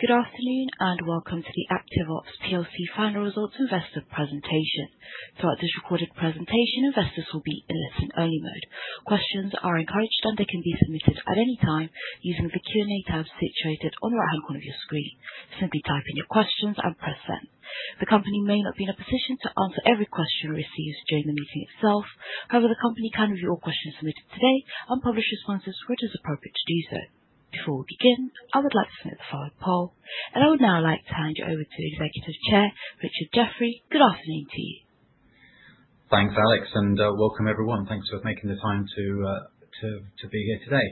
Good afternoon. Welcome to the ActiveOps Plc final results investor presentation. Throughout this recorded presentation, investors will be in listen-only mode. Questions are encouraged. They can be submitted at any time using the Q&A tab situated on the right-hand corner of your screen. Simply type in your questions and press send. The company may not be in a position to answer every question received during the meeting itself. The company can review all questions submitted today and publish responses where it is appropriate to do so. Before we begin, I would like to submit the following poll, and I would now like to hand you over to the Executive Chair, Richard Jeffery. Good afternoon to you. Thanks, Alex, welcome everyone. Thanks for making the time to be here today.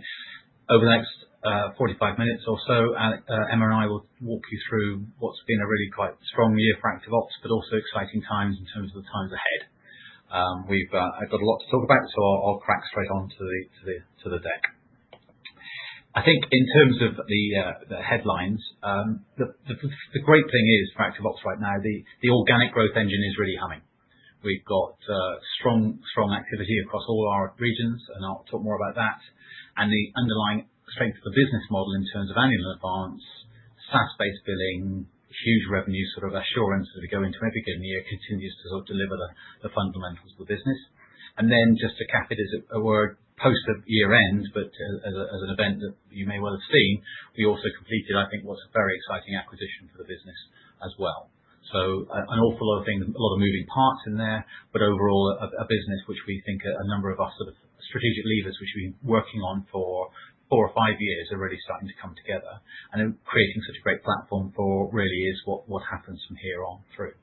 Over the next 45 minutes or so, Alex, Emma, and I will walk you through what's been a really quite strong year for ActiveOps, but also exciting times in terms of the times ahead. I've got a lot to talk about, so I'll crack straight on to the deck. I think in terms of the headlines, the great thing is for ActiveOps right now, the organic growth engine is really humming. We've got strong activity across all our regions, and I'll talk more about that. The underlying strength of the business model in terms of annual advance, SaaS-based billing, huge revenue, sort of assurance as we go into every given year, continues to sort of deliver the fundamentals of the business. Then just to cap it as a word, post at year-end, but as an event that you may well have seen, we also completed, I think, what's a very exciting acquisition for the business as well. An awful lot of things, a lot of moving parts in there, but overall, a business which we think a number of our sort of strategic levers, which we've been working on for four or five years, are really starting to come together. In creating such a great platform for really is what happens from here on through.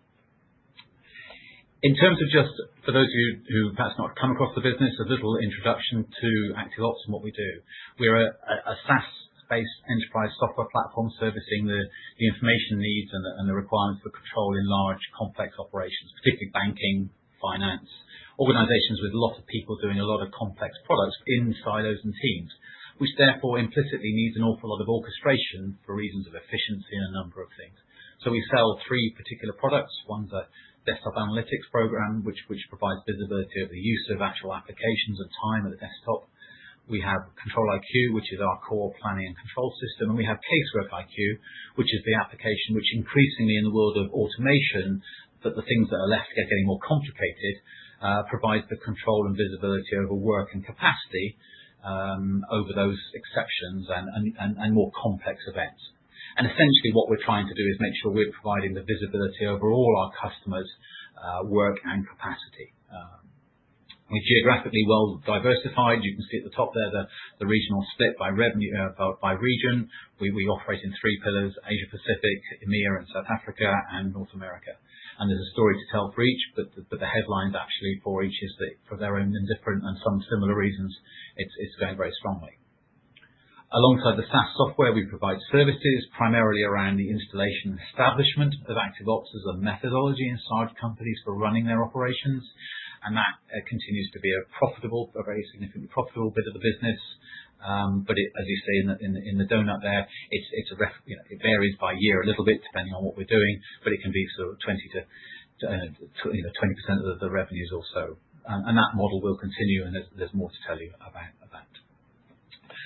In terms of just for those of you who perhaps have not come across the business, a little introduction to ActiveOps and what we do. We are a SaaS-based enterprise software platform, servicing the information needs and the requirements for control in large, complex operations, particularly banking, finance, organizations with a lot of people doing a lot of complex products in silos and teams. Which therefore implicitly needs an awful lot of orchestration for reasons of efficiency in a number of things. We sell three particular products. One's a desktop analytics program, which provides visibility of the use of actual applications and time at the desktop. We have ControliQ, which is our core planning and control system, and we have CaseworkiQ, which is the application which increasingly in the world of automation, but the things that are less, getting more complicated, provides the control and visibility over work and capacity, over those exceptions and more complex events. Essentially what we're trying to do is make sure we're providing the visibility over all our customers, work and capacity. We're geographically well diversified. You can see at the top there, the regional split by revenue, by region. We operate in three pillars, Asia Pacific, EMEA and South Africa, and North America. There's a story to tell for each, but the headlines actually for each is that for their own different and some similar reasons, it's going very strongly. Alongside the SaaS software, we provide services primarily around the installation and establishment of ActiveOps as a methodology inside companies for running their operations. That continues to be a profitable, a very significantly profitable bit of the business. As you say, in the donut there, it's a ref, you know, it varies by year a little bit, depending on what we're doing, but it can be sort of 20%-20% of the revenues or so. That model will continue, and there's more to tell you about that.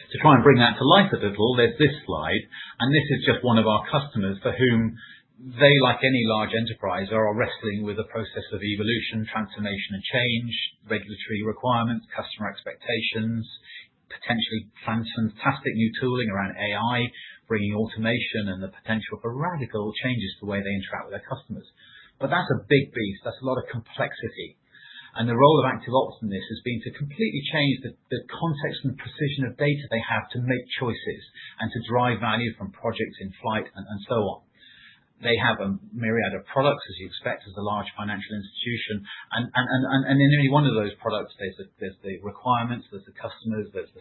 To try and bring that to life a little, there's this slide. This is just one of our customers for whom they, like any large enterprise, are wrestling with the process of evolution, transformation and change, regulatory requirements, customer expectations, potentially fantastic new tooling around AI, bringing automation and the potential for radical changes to the way they interact with their customers. That's a big beast. That's a lot of complexity. The role of ActiveOps in this has been to completely change the context and precision of data they have to make choices and to drive value from projects in flight and so on. They have a myriad of products, as you expect, as a large financial institution, and in any one of those products, there's the requirements, there's the customers, there's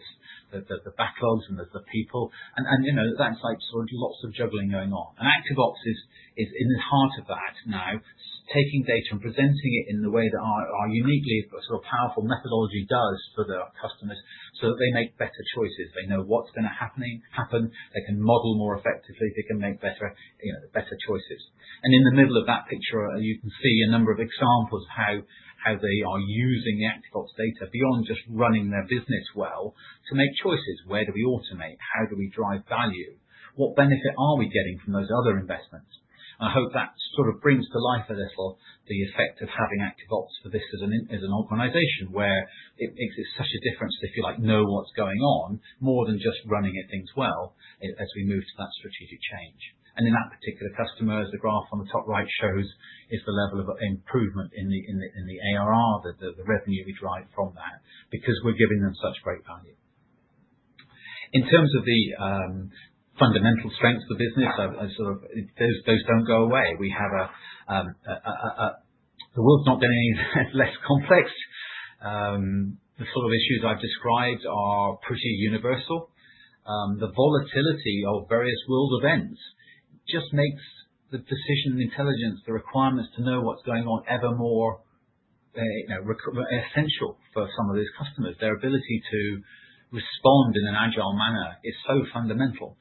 the backlogs, and there's the people. You know, that's like sort of lots of juggling going on. ActiveOps is in the heart of that now, taking data and presenting it in the way that our uniquely sort of powerful methodology does for the customers, so that they make better choices. They know what's gonna happen. They can model more effectively, they can make better, you know, choices. In the middle of that picture, you can see a number of examples of how they are using the ActiveOps data, beyond just running their business well, to make choices. Where do we automate? How do we drive value? What benefit are we getting from those other investments? I hope that sort of brings to life a little, the effect of having ActiveOps for this as an organization, where it makes such a difference if you, like, know what's going on, more than just running it things well, as we move to that strategic change. In that particular customer, as the graph on the top right shows, is the level of improvement in the ARR, the revenue we derive from that, because we're giving them such great value. In terms of the fundamental strengths of the business, sort of those don't go away. We have a. The world's not getting any less complex. The sort of issues I've described are pretty universal. The volatility of various world events just makes the precision intelligence, the requirements to know what's going on ever more, you know, essential for some of these customers. Their ability to respond in an agile manner is so fundamental.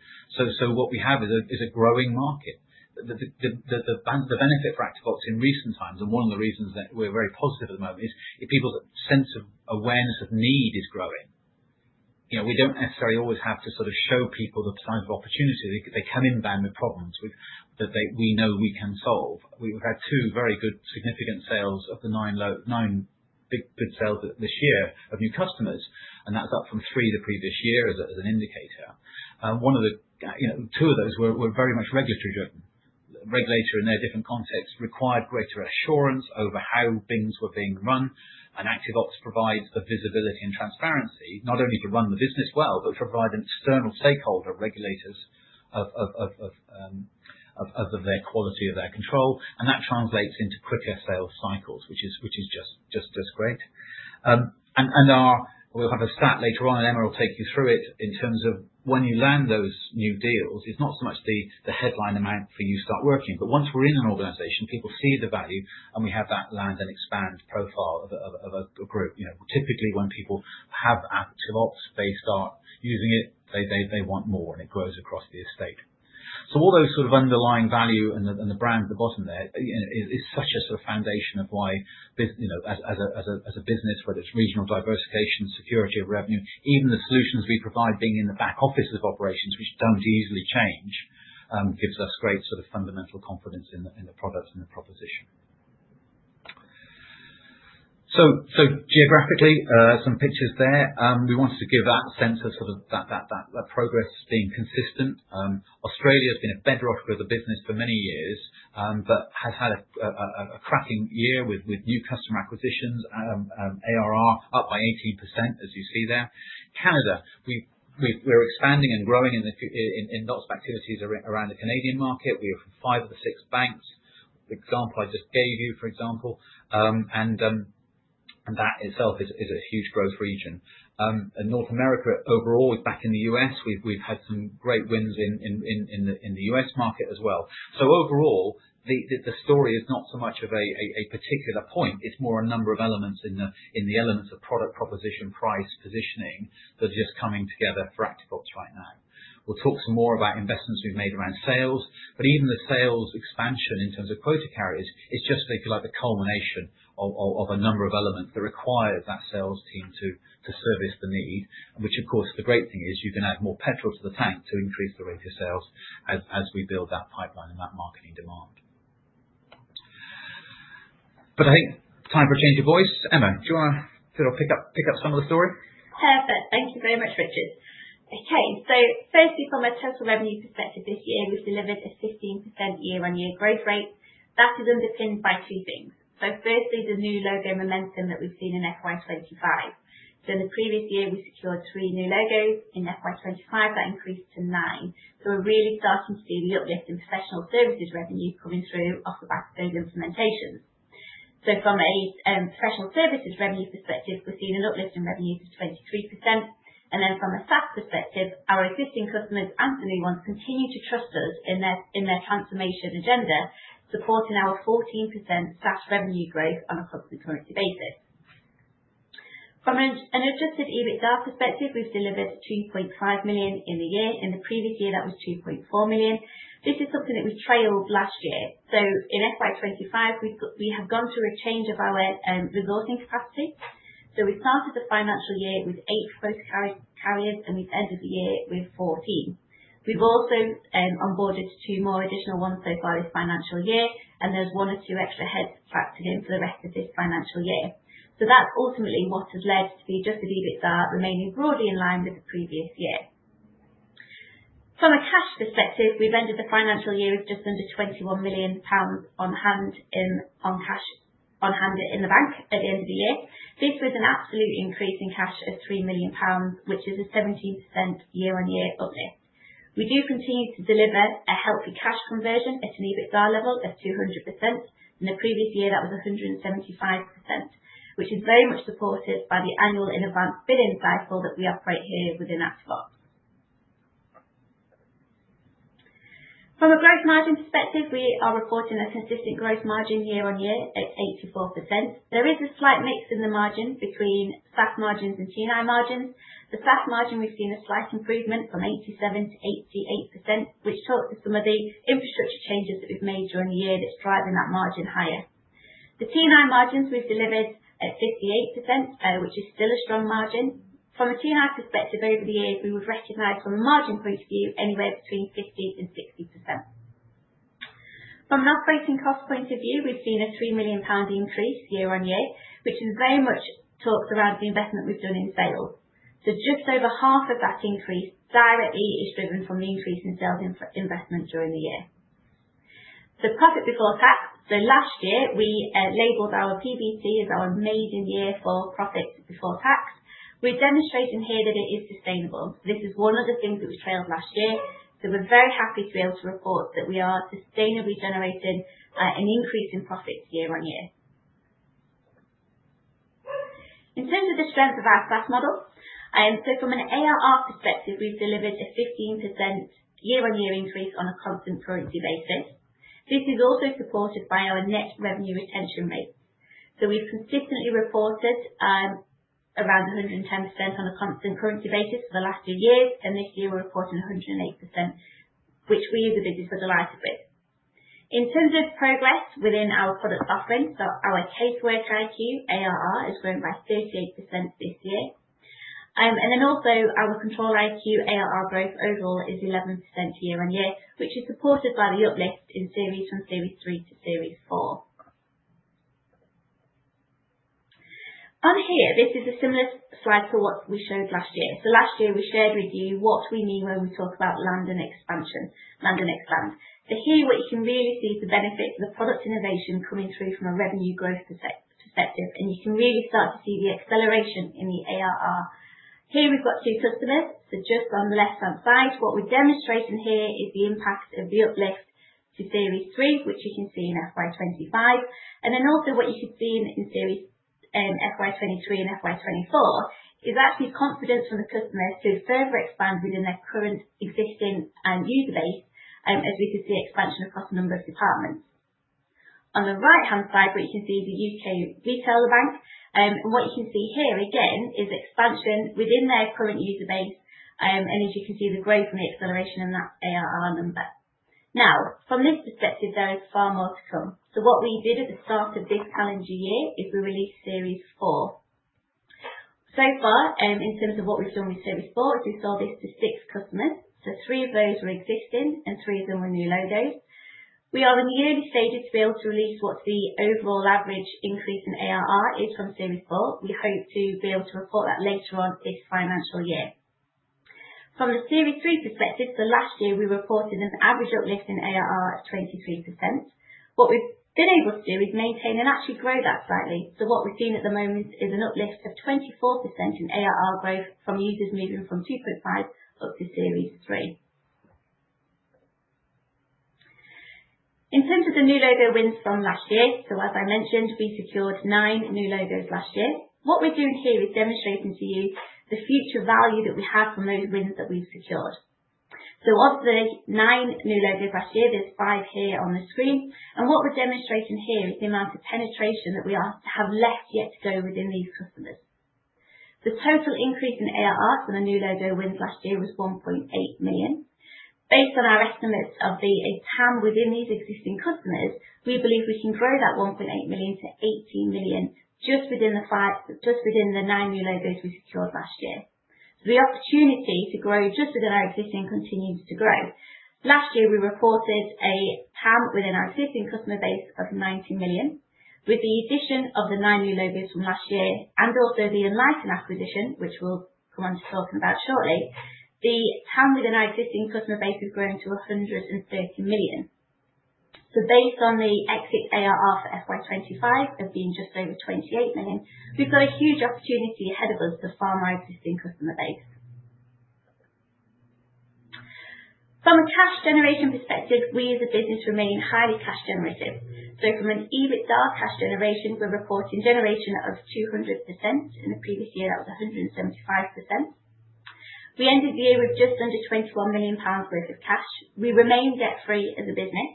What we have is a, is a growing market. The benefit for ActiveOps in recent times, and one of the reasons that we're very positive at the moment is people's sense of awareness of need is growing. You know, we don't necessarily always have to sort of show people the size of opportunity. They come in bound with problems, which we know we can solve. We've had two very good significant sales of the nine low, nine big sales this year of new customers, and that's up from three the previous year as an indicator. One of the, you know, two of those were very much regulatory driven. Regulator in their different contexts required greater assurance over how things were being run, and ActiveOps provides the visibility and transparency, not only to run the business well, but to provide an external stakeholder, regulators, of their quality of their control. That translates into quicker sales cycles, which is just great. And our. We'll have a stat later on. Emma will take you through it in terms of when you land those new deals, it's not so much the headline amount for you to start working, but once we're in an organization, people see the value, and we have that land and expand profile of a group. You know, typically when people have ActiveOps, they start using it, they want more, and it grows across the estate. All those sort of underlying value and the brand at the bottom there, is such a sort of foundation of why this, you know, as a business, whether it's regional diversification, security of revenue, even the solutions we provide being in the back office of operations, which don't easily change, gives us great sort of fundamental confidence in the product and the proposition. Geographically, some pictures there. We wanted to give that sense of sort of that progress has been consistent. Australia has been a bedrock of the business for many years, but has had a cracking year with new customer acquisitions. ARR up by 18%, as you see there. Canada, we're expanding and growing in lots of activities around the Canadian market. We have five of the six banks, the example I just gave you, for example, and that itself is a huge growth region. North America overall, back in the U.S., we've had some great wins in the U.S. market as well. Overall, the story is not so much of a particular point, it's more a number of elements in the elements of product, proposition, price, positioning, that are just coming together for ActiveOps right now. We'll talk some more about investments we've made around sales, but even the sales expansion in terms of quota carriers, it's just if you like, the culmination of a number of elements that require that sales team to service the need. Which of course, the great thing is you can add more petrol to the tank to increase the rate of sales as we build that pipeline and that marketing demand. I think time for a change of voice. Emma, do you want to sort of pick up some of the story? Perfect. Thank you very much, Richard. Firstly, from a total revenue perspective, this year we delivered a 15% year-on-year growth rate. That is underpinned by two things. Firstly, the new logo momentum that we've seen in FY25. In the previous year, we secured three new logos. In FY25, that increased to nine. We're really starting to see the uplift in professional services revenue coming through off the back of those implementations. From a professional services revenue perspective, we've seen an uplift in revenue to 23%. From a SaaS perspective, our existing customers and the new ones, continue to trust us in their transformation agenda, supporting our 14% SaaS revenue growth on a constant currency basis. From an adjusted EBITDA perspective, we've delivered 2.5 million in the year. In the previous year, that was 2.4 million. This is something that we trailed last year. In FY25, we have gone through a change of our resourcing practice. We started the financial year with eight quota carriers, and we've ended the year with 14. We've also onboarded two more additional ones so far this financial year, and there's one or two extra heads to track again for the rest of this financial year. That's ultimately what has led to the adjusted EBITDA remaining broadly in line with the previous year. From a cash perspective, we've ended the financial year with just under 21 million pounds on hand in the bank at the end of the year. This was an absolute increase in cash of 3 million pounds, which is a 17% year-on-year uplift. We do continue to deliver a healthy cash conversion at an EBITDA level of 200%. In the previous year, that was 175%, which is very much supported by the annual in advance billing cycle that we operate here within ActiveOps. From a gross margin perspective, we are reporting a consistent gross margin year-on-year at 84%. There is a slight mix in the margin between SaaS margins and T&I margins. The SaaS margin, we've seen a slight improvement from 87%-88%, which talks to some of the infrastructure changes that we've made during the year that's driving that margin higher. The T&I margins we've delivered at 58%, which is still a strong margin. From a T&I perspective, over the years, we would recognize from a margin point of view, anywhere between 50% and 60%. From an operating cost point of view, we've seen a 3 million pound increase year-over-year, which is very much talks around the investment we've done in sales. Just over half of that increase directly is driven from the increase in sales investment during the year. Profit before tax. Last year, we labeled our PBT as our amazing year for profit before tax. We're demonstrating here that it is sustainable. This is one of the things that was trailed last year, we're very happy to be able to report that we are sustainably generating an increase in profits year-over-year. In terms of the strength of our SaaS model, from an ARR perspective, we've delivered a 15% year-over-year increase on a constant currency basis. This is also supported by our net revenue retention rate. We've consistently reported, around 110% on a constant currency basis for the last two years, and this year we're reporting 108%, which we are delighted with. In terms of progress within our product offering, so our CaseworkiQ ARR has grown by 38% this year. Also our ControliQ ARR growth overall is 11% year-on-year, which is supported by the uplift in Series from Series 3 to Series 4. On here, this is a similar slide to what we showed last year. Last year, we shared with you what we mean when we talk about land and expansion, land and expand. Here what you can really see the benefit of the product innovation coming through from a revenue growth perspective, and you can really start to see the acceleration in the ARR. Here we've got two customers, so just on the left-hand side, what we're demonstrating here is the impact of the uplift to Series 3, which you can see in FY 2025, and then also what you can see in Series FY 2023 and FY 2024, is actually confidence from the customers to further expand within their current existing user base, as you can see expansion across a number of departments. On the right-hand side, we can see the U.K. Retailer bank, and what you can see here, again, is expansion within their current user base. As you can see, the growth and the acceleration in that ARR number. From this perspective, there is far more to come. What we did at the start of this calendar year, is we released Series 4. Far, in terms of what we've done with Series 4, is we sold this to six customers. Three of those were existing and three of them were new logos. We are in the early stages to be able to release what the overall average increase in ARR is from Series 4. We hope to be able to report that later on this financial year. From a Series 3 perspective, last year we reported an average uplift in ARR at 23%. What we've been able to do is maintain and actually grow that slightly. What we've seen at the moment is an uplift of 24% in ARR growth from users moving from two point five up to Series 3. In terms of the new logo wins from last year, as I mentioned, we secured nine new logos last year. What we're doing here is demonstrating to you the future value that we have from those wins that we've secured. Of the nine new logos last year, there's five here on the screen, and what we're demonstrating here is the amount of penetration that we have left yet to go within these customers. The total increase in ARR for the new logo wins last year was 1.8 million. Based on our estimates of the TAM within these existing customers, we believe we can grow that 1.8 million-18 million just within the five, just within the nine new logos we secured last year. The opportunity to grow just within our existing continues to grow. Last year, we reported a TAM within our existing customer base of 90 million. With the addition of the nine new logos from last year, and also the Enlighten acquisition, which we'll come on to talking about shortly, the TAM within our existing customer base has grown to 130 million. Based on the exit ARR for FY25, of being just over 28 million, we've got a huge opportunity ahead of us to farm our existing customer base. From a cash generation perspective, we as a business remain highly cash generative. From an EBITDA cash generation, we're reporting generation of 200%. In the previous year, it was 175%. We ended the year with just under 21 million pounds worth of cash. We remain debt-free as a business.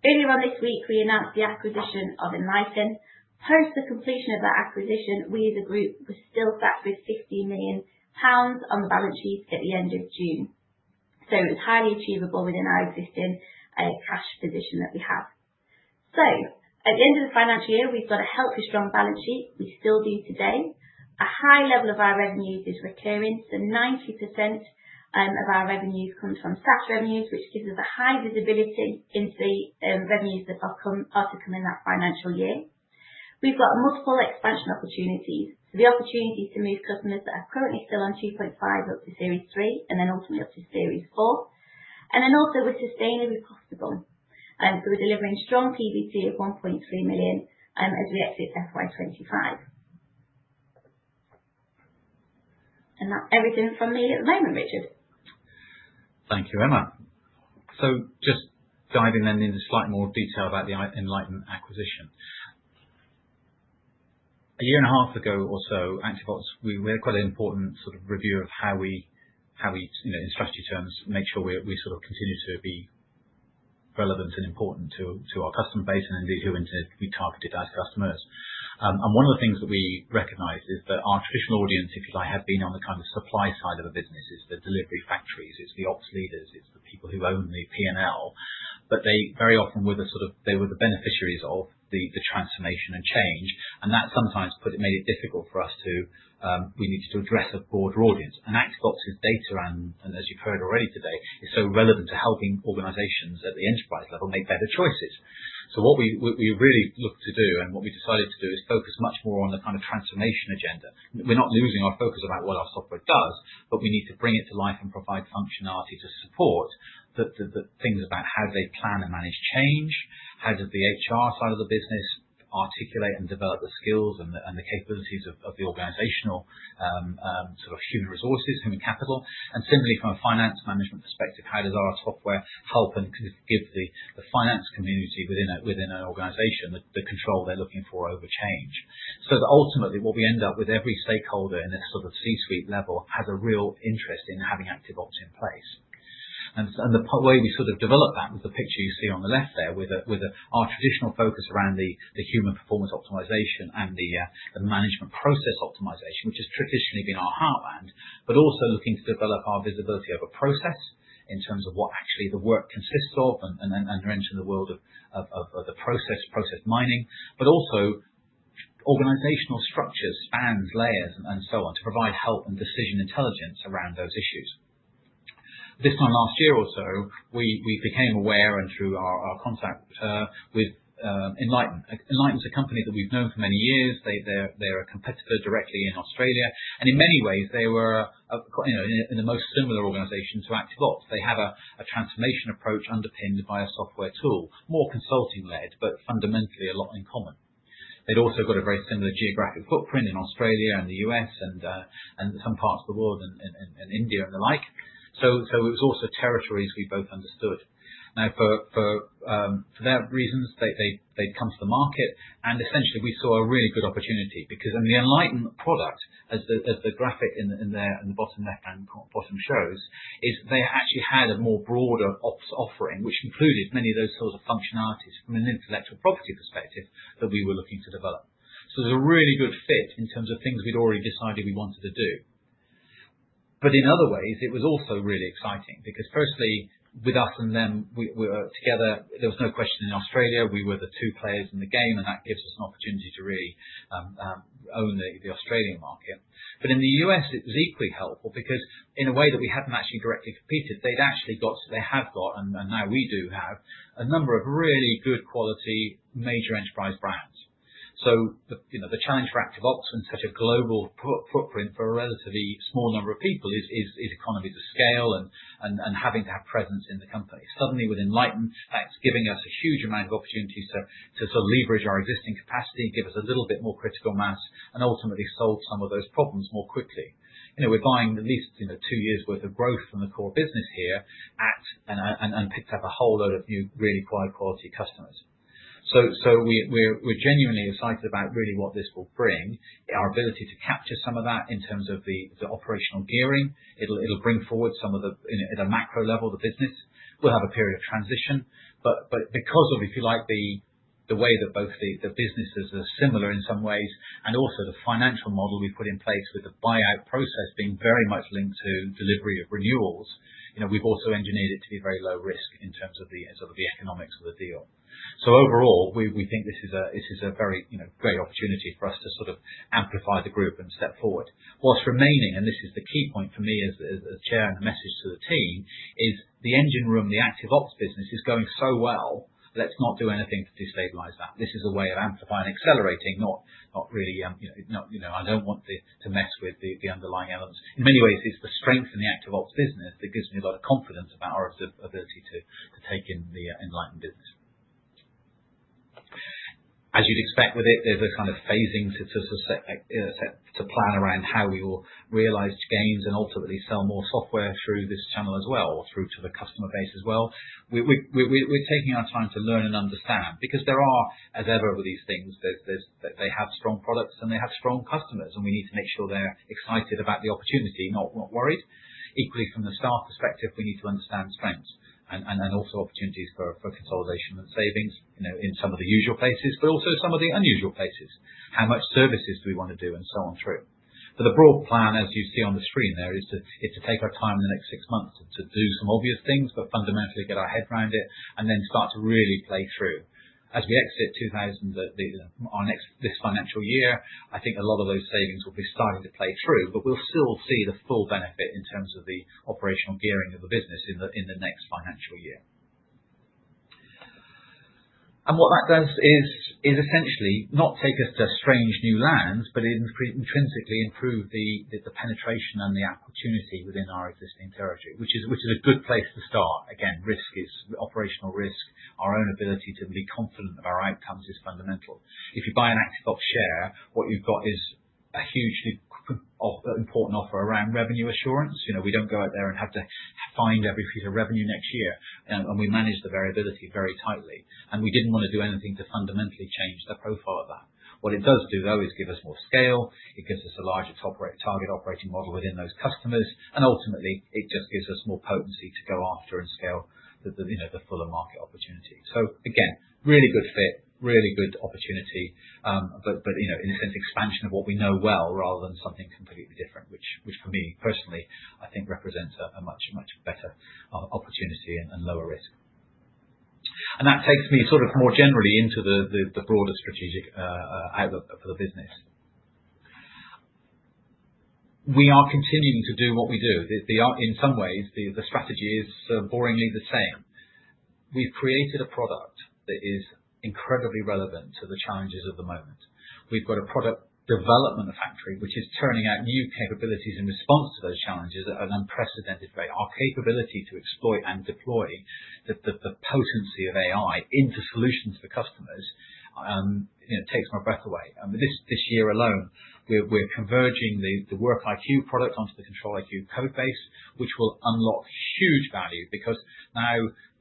Earlier on this week, we announced the acquisition of Enlighten. Post the completion of that acquisition, we as a group, were still sat with GBP 60 million on the balance sheet at the end of June. It was highly achievable within our existing cash position that we have. At the end of the financial year, we've got a healthy, strong balance sheet. We still do today. A high level of our revenue is recurring, so 90% of our revenue comes from SaaS revenues, which gives us a high visibility into the revenues that are to come in that financial year. We've got multiple expansion opportunities. The opportunity to move customers that are currently still on two point five up to Series 3, and then ultimately up to Series 4. We're sustainably profitable, so we're delivering strong PBT of 1.3 million, as we exit FY25. And that's everything from me at the moment, Richard. Thank you, Emma. Just diving then, into slight more detail about the Enlighten acquisition. A year and a half ago or so, ActiveOps, we had quite an important sort of review of how we, you know, in strategy terms, make sure we sort of continue to be relevant and important to our customer base and who, and to be targeted as customers. One of the things that we recognized is that our traditional audience, if you like, have been on the kind of supply side of a business, it's the delivery factories, it's the ops leaders, it's the people who own the PNL, but they very often were the sort of they were the beneficiaries of the transformation and change, and that sometimes put, it made it difficult for us to. We needed to address a broader audience. ActiveOps' data, as you've heard already today, is so relevant to helping organizations at the enterprise level make better choices. What we really looked to do, and what we decided to do, is focus much more on the kind of transformation agenda. We're not losing our focus about what our software does, but we need to bring it to life and provide functionality to support the things about how do they plan and manage change? How does the HR side of the business articulate and develop the skills and the capabilities of the organizational sort of human resources, human capital, and similarly from a finance management perspective, how does our software help and give the finance community within an organization the control they're looking for over change? Ultimately, what we end up with every stakeholder in this sort of C-suite level, has a real interest in having ActiveOps in place. And the way we sort of develop that, with the picture you see on the left there, with the our traditional focus around the Human Performance Optimization and the Management Process Optimization, which has traditionally been our heartland, but also looking to develop our visibility of a process in terms of what actually the work consists of, and venture in the world of the process mining, but also organizational structures, spans, layers, and so on, to provide help and Decision Intelligence around those issues. This time last year or so, we became aware and through our contact with Enlighten. Enlighten is a company that we've known for many years. They're a competitor directly in Australia, and in many ways, they were, you know, in the most similar organization to ActiveOps. They have a transformation approach underpinned by a software tool, more consulting-led, but fundamentally a lot in common. They'd also got a very similar geographic footprint in Australia and the U.S. and some parts of the world, in India and the like. It was also territories we both understood. For their reasons, they'd come to the market, and essentially, we saw a really good opportunity because in the Enlighten product, as the graphic in there in the bottom left-hand corner bottom shows, is they actually had a more broader ops offering, which included many of those sorts of functionalities from an intellectual property perspective that we were looking to develop. It was a really good fit in terms of things we'd already decided we wanted to do. In other ways, it was also really exciting because firstly, with us and them, we were together. There was no question in Australia, we were the two players in the game, and that gives us an opportunity to really own the Australian market. In the U.S., it was equally helpful because in a way that we hadn't actually directly competed, They have got, and now we do have, a number of really good quality major enterprise brands. The, you know, the challenge for ActiveOps and such a global footprint for a relatively small number of people is economy to scale and having to have presence in the company. Suddenly with Enlighten, that's giving us a huge amount of opportunity to sort of leverage our existing capacity, give us a little bit more critical mass, and ultimately solve some of those problems more quickly. You know, we're buying at least, you know, two years worth of growth from the core business here at, and picked up a whole load of new, really quite quality customers. We're genuinely excited about really what this will bring. Our ability to capture some of that in terms of the operational gearing. It'll bring forward some of the, you know, at a macro level, the business. We'll have a period of transition, but because of, if you like, the way that both the businesses are similar in some ways, and also the financial model we put in place with the buyout process being very much linked to delivery of renewals, you know, we've also engineered it to be very low risk in terms of the sort of the economics of the deal. Overall, we think this is a very, you know, great opportunity for us to sort of amplify the group and step forward. What's remaining, and this is the key point for me as a chair and message to the team, is the engine room, the ActiveOps business, is going so well, let's not do anything to destabilize that. This is a way of amplifying, accelerating, not really, you know, I don't want to mess with the underlying elements. In many ways, it's the strength in the ActiveOps business that gives me a lot of confidence about our ability to take in the Enlighten business. As you'd expect with it, there's a kind of phasing to plan around how we will realize gains and ultimately sell more software through this channel as well, or through to the customer base as well. We're taking our time to learn and understand because there are, as ever, with these things, there's they have strong products and they have strong customers, and we need to make sure they're excited about the opportunity, not worried. Equally, from the staff perspective, we need to understand strengths and then also opportunities for consolidation and savings, you know, in some of the usual places, but also some of the unusual places. How much services do we want to do, and so on through. The broad plan, as you see on the screen there, is to take our time in the next six months to do some obvious things, but fundamentally get our head around it and then start to really play through. As we exit our next, this financial year, I think a lot of those savings will be starting to play through, but we'll still see the full benefit in terms of the operational gearing of the business in the next financial year. What that does is essentially not take us to strange new lands, but intrinsically improve the penetration and the opportunity within our existing territory, which is a good place to start. Again, risk is operational risk. Our own ability to be confident of our outcomes is fundamental. If you buy an ActiveOps share, what you've got is a hugely important offer around revenue assurance. You know, we don't go out there and have to find every piece of revenue next year, and we manage the variability very tightly, and we didn't want to do anything to fundamentally change the profile of that. What it does do, though, is give us more scale. It gives us a larger top rate target operating model within those customers, and ultimately, it just gives us more potency to go after and scale the, you know, the fuller market opportunity. Again, really good fit, really good opportunity, but, you know, in a sense, expansion of what we know well rather than something completely different, which for me personally, I think represents a much better opportunity and lower risk. That takes me sort of more generally into the broader strategic outlook for the business. We are continuing to do what we do. In some ways, the strategy is boringly the same. We've created a product that is incredibly relevant to the challenges of the moment. We've got a product development factory, which is churning out new capabilities in response to those challenges at an unprecedented rate. Our capability to exploit and deploy the potency of AI into solutions for customers, you know, takes my breath away. I mean, this year alone, we're converging the WorkiQ product onto the ControliQ code base, which will unlock huge value because now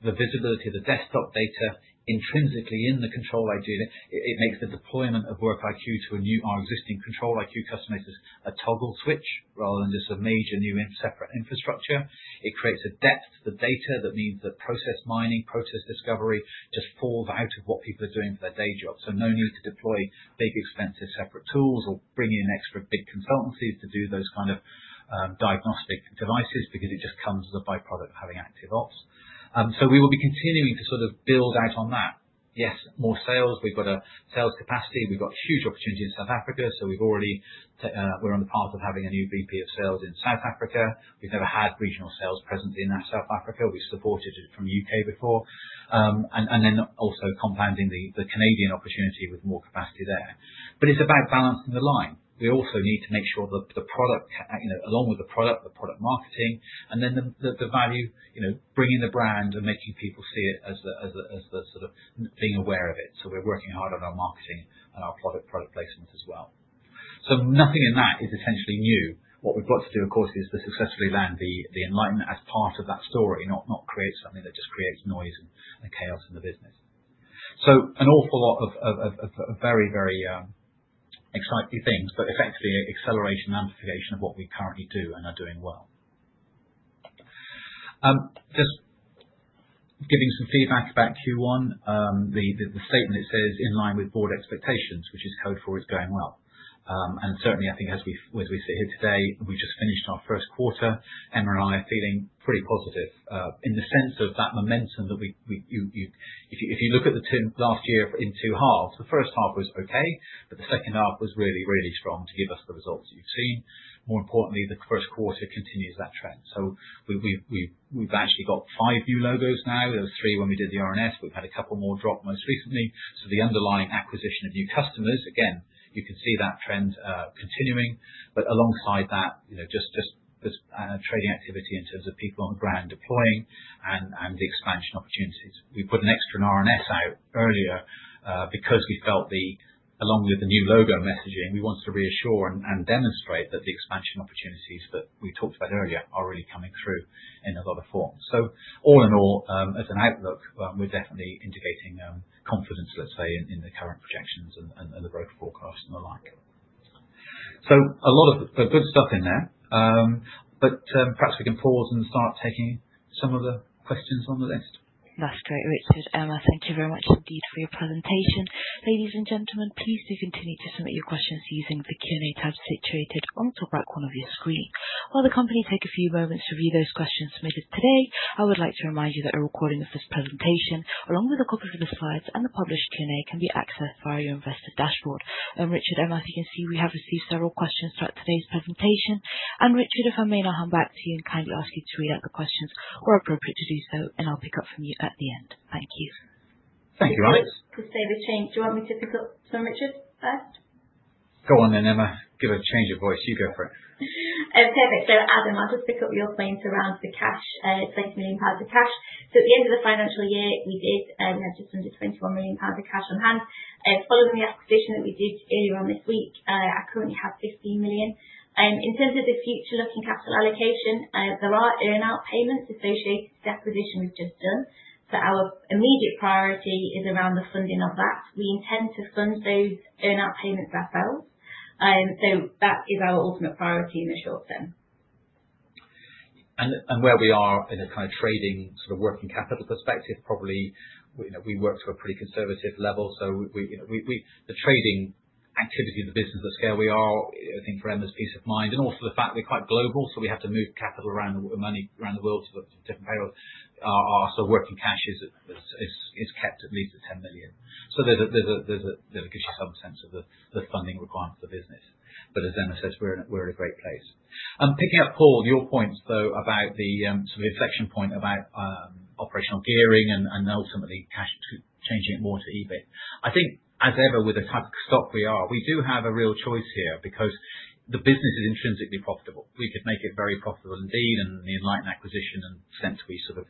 the visibility of the desktop data intrinsically in the ControliQ, it makes the deployment of WorkiQ to our existing ControliQ customers, a toggle switch rather than just a major new and separate infrastructure. It creates a depth to the data that means that Process Mining, Process Discovery, just falls out of what people are doing for their day jobs. No need to deploy big, expensive, separate tools or bring in extra big consultancies to do those kind of diagnostic devices because it just comes as a byproduct of having ActiveOps. We will be continuing to sort of build out on that. Yes, more sales. We've got a sales capacity. We've got huge opportunity in South Africa, so we've already we're on the path of having a new VP of sales in South Africa. We've never had regional sales presence in South Africa. We supported it from U.K. before. Then also compounding the Canadian opportunity with more capacity there. It's about balancing the line. We also need to make sure that the product, you know, along with the product, the product marketing and then the, the value, you know, bringing the brand and making people see it as the, as the, as the sort of being aware of it. We're working hard on our marketing and our product placement as well. Nothing in that is essentially new. What we've got to do, of course, is to successfully land the Enlighten as part of that story, not create something that just creates noise and chaos in the business. An awful lot of, of very, very exciting things, but effectively an acceleration and amplification of what we currently do and are doing well. Just giving some feedback about Q1, the statement, it says, "In line with board expectations," which is code for it's going well. Certainly I think as we sit here today, we just finished our first quarter, Emma and I are feeling pretty positive in the sense of that momentum that If you look at the team last year in two halves, the first half was okay, but the second half was really, really strong to give us the results that you've seen. More importantly, the first quarter continues that trend. We've actually got five new logos now. There was three when we did the RNS. We've had a couple more drop most recently. The underlying acquisition of new customers, again, you can see that trend continuing, but alongside that, you know, just trading activity in terms of people on the ground deploying and the expansion opportunities. We put an extra RNS out earlier because we felt along with the new logo messaging, we wanted to reassure and demonstrate that the expansion opportunities that we talked about earlier are really coming through in a lot of forms. All in all, as an outlook, we're definitely indicating confidence, let's say, in the current projections and the growth forecast and the like. A lot of the good stuff in there. Perhaps we can pause and start taking some of the questions on the list. That's great, Richard. Emma, thank you very much indeed for your presentation. Ladies and gentlemen, please do continue to submit your questions using the Q&A tab situated on the top right corner of your screen. While the company take a few moments to review those questions submitted today, I would like to remind you that a recording of this presentation, along with a copy of the slides and the published Q&A, can be accessed via your investor dashboard. Richard, Emma, as you can see, we have received several questions throughout today's presentation. Richard, if I may now hand back to you and kindly ask you to read out the questions where appropriate to do so, and I'll pick up from you at the end. Thank you. Thank you, Alex. To save a change. Do you want me to pick up some, Richard, first? Go on then, Emma. Give a change of voice. You go for it. Perfect. Adam, I'll just pick up your points around the cash, 23 million pounds of cash. At the end of the financial year, we did register 21 million pounds of cash on hand. Following the acquisition that we did earlier on this week, I currently have 15 million. In terms of the future-looking capital allocation, there are earn-out payments associated with the acquisition we've just done. Our immediate priority is around the funding of that. We intend to fund those earn-out payments ourselves, so that is our ultimate priority in the short term. Where we are in a kind of trading sort of working capital perspective, probably, we, you know, we work to a pretty conservative level. We, you know, the trading activity of the business, the scale we are, I think for Emma's peace of mind and also the fact we're quite global, so we have to move capital around, the money around the world to the different payroll, working cash is kept at least at 10 million. That gives you some sense of the funding requirements of the business. As Emma says, we're in a great place. Picking up, Paul, your points, though, about the sort of inflection point about operational gearing and ultimately cash to changing it more to EBIT. I think, as ever, with the type of stock we are, we do have a real choice here because the business is intrinsically profitable. We could make it very profitable indeed, and the Enlighten acquisition and the sense we sort of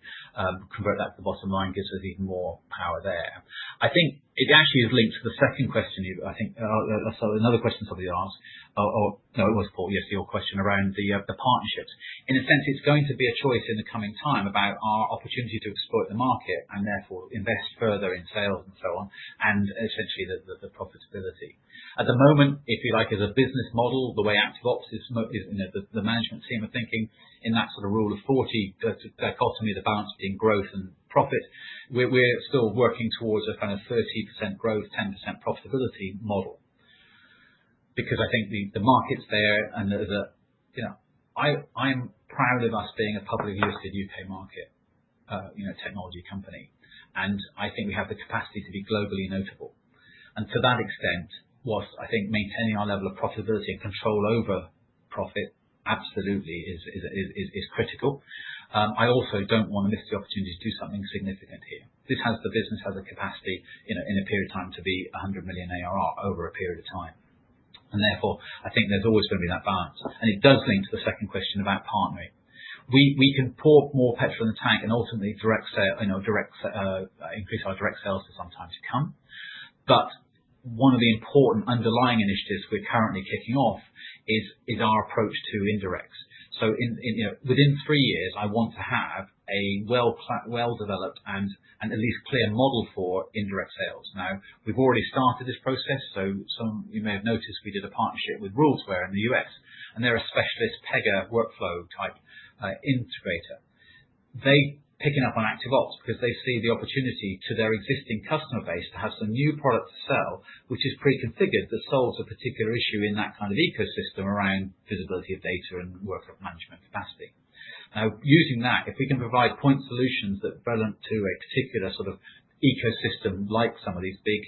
convert that to the bottom line gives us even more power there. I think it actually is linked to the second question you, I think, so another question somebody asked, or no, it was Paul, yes, your question around the partnerships. In a sense, it's going to be a choice in the coming time about our opportunity to exploit the market and therefore invest further in sales and so on, and essentially the profitability. At the moment, if you like, as a business model, the way ActiveOps is the management team are thinking in that sort of Rule of 40 dichotomy, the balance between growth and profit. We're still working towards a kind of 30% growth, 10% profitability model. I think the market's there and the, you know. I'm proud of us being a publicly listed U.K. market, you know, technology company. I think we have the capacity to be globally notable. To that extent, whilst I think maintaining our level of profitability and control over profit absolutely is critical, I also don't want to miss the opportunity to do something significant here. This has the business, has the capacity, you know, in a period of time, to be 100 million ARR over a period of time. Therefore, I think there's always going to be that balance. It does link to the second question about partnering. We can pour more petrol in the tank and ultimately direct sale, you know, direct increase our direct sales in some time to come. One of the important underlying initiatives we're currently kicking off is our approach to indirects. In, you know, within three years, I want to have a well-developed and at least clear model for indirect sales. We've already started this process, so some of you may have noticed we did a partnership with Rulesware in the U.S., and they're a specialist Pega workflow type integrator. They picking up on ActiveOps because they see the opportunity to their existing customer base to have some new product to sell, which is preconfigured, that solves a particular issue in that kind of ecosystem around visibility of data and workflow management capacity. Now, using that, if we can provide point solutions that are relevant to a particular sort of ecosystem, like some of these big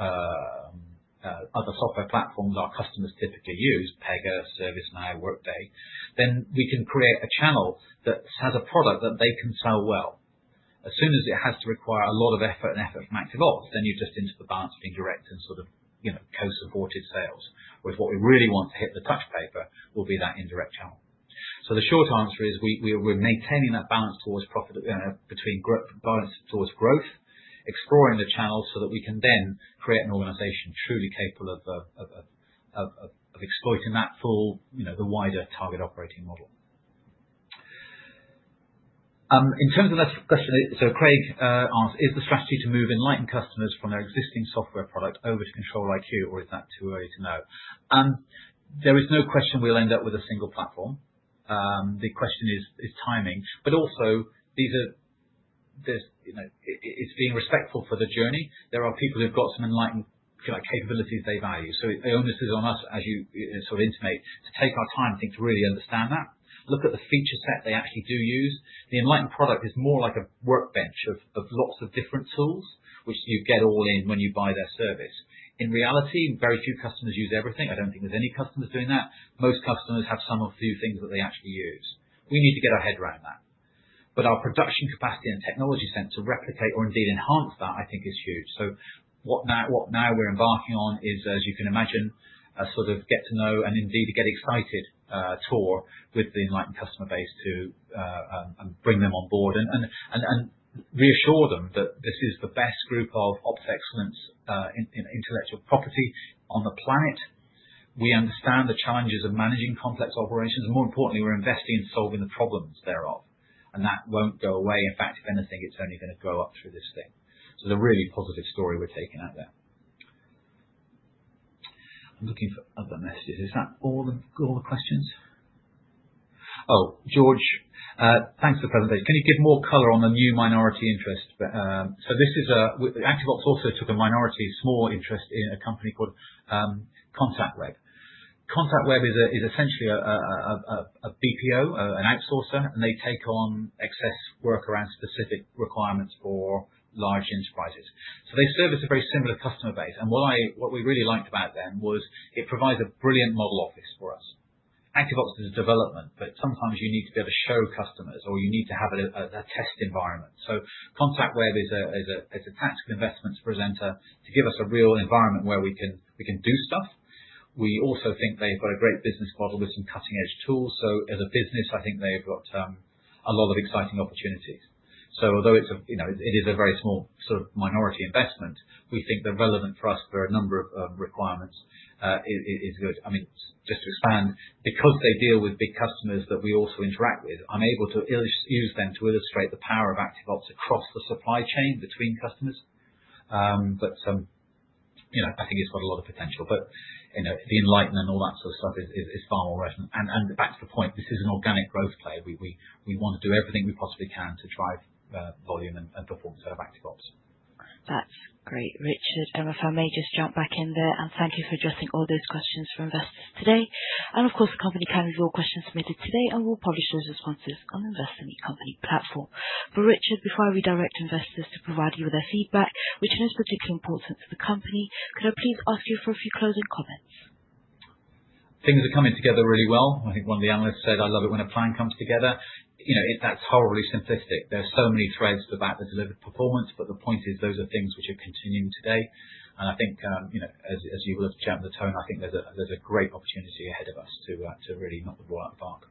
other software platforms our customers typically use, Pega, ServiceNow, Workday, then we can create a channel that has a product that they can sell well. As soon as it has to require a lot of effort and effort from ActiveOps, then you're just into the balanced, indirect and sort of, you know, co-supported sales, whereas what we really want to hit the touch paper will be that indirect channel. The short answer is, we're maintaining that balance towards profit, balance towards growth, exploring the channels so that we can then create an organization truly capable of exploiting that full, you know, the wider target operating model. In terms of the next question, Craig asked: "Is the strategy to move Enlighten customers from their existing software product over to ControliQ, or is that too early to know?" There is no question we'll end up with a single platform. The question is timing, also there's, you know, it's being respectful for the journey. There are people who've got some Enlighten, you know, capabilities they value. The onus is on us, as you sort of intimate, to take our time and think to really understand that, look at the feature set they actually do use. The Enlighten product is more like a workbench of lots of different tools, which you get all in when you buy their service. In reality, very few customers use everything. I don't think there's any customers doing that. Most customers have some or few things that they actually use. We need to get our head around that. Our production capacity and technology center replicate or indeed enhance that, I think is huge. What now we're embarking on is, as you can imagine, a sort of get to know and indeed a get excited tour with the Enlighten customer base to and bring them on board and reassure them that this is the best group of ops excellence in intellectual property on the planet. We understand the challenges of managing complex operations, and more importantly, we're investing in solving the problems thereof, and that won't go away. In fact, if anything, it's only gonna go up through this thing. It's a really positive story we're taking out there. I'm looking for other messages. Is that all the questions? George, thanks for presentation. Can you give more color on the new minority interest? This is ActiveOps also took a minority, small interest in a company called Contact Web. Contact Web is essentially a BPO, an outsourcer, and they take on excess work around specific requirements for large enterprises. They service a very similar customer base, and what we really liked about them was it provides a brilliant model office for us. ActiveOps is a development, but sometimes you need to be able to show customers, or you need to have a test environment. Contact Web is a tactical investment presenter to give us a real environment where we can do stuff. We also think they've got a great business model with some cutting-edge tools. As a business, I think they've got a lot of exciting opportunities. Although it's a, you know, it is a very small sort of minority investment, we think they're relevant for us for a number of requirements. It is good. I mean, just to expand, because they deal with big customers that we also interact with, I'm able to use them to illustrate the power of ActiveOps across the supply chain between customers. You know, I think it's got a lot of potential, but, you know, the Enlighten and all that sort of stuff is far more relevant. Back to the point, this is an organic growth play. We want to do everything we possibly can to drive volume and performance out of ActiveOps. That's great, Richard. If I may just jump back in there, and thank you for addressing all those questions from investors today. Of course, the company can have your questions submitted today, and we'll publish those responses on the Investor Meet Company platform. Richard, before I redirect investors to provide you with their feedback, which is particularly important to the company, could I please ask you for a few closing comments? Things are coming together really well. I think one of the analysts said, "I love it when a plan comes together." You know, that's horribly simplistic. There are so many threads to that deliver performance, but the point is, those are things which are continuing today. I think, you know, as you've looked at the tone, I think there's a great opportunity ahead of us to really knock the ball out of the park.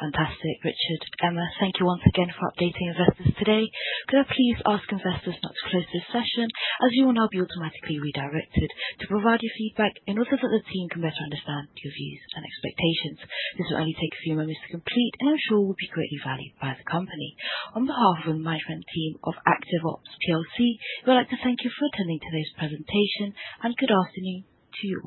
Fantastic, Richard. Emma, thank you once again for updating investors today. Could I please ask investors now to close this session, as you will now be automatically redirected to provide your feedback and also so the team can better understand your views and expectations. This will only take a few moments to complete and I'm sure will be greatly valued by the company. On behalf of my friend team of ActiveOps plc, we'd like to thank you for attending today's presentation. Good afternoon to you.